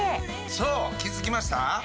そう気づきました？